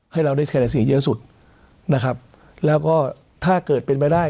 ให้เราได้แคลสิงห์เยอะสุดนะครับแล้วก็ถ้าเกิดเป็นไม่ได้